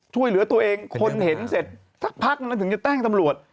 ช่วยเหลือตัวเองคนเห็นเสร็จสักพักนึงถึงจะแจ้งตำรวจ